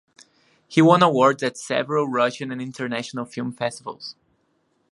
He won awards at several Russian and international film festivals.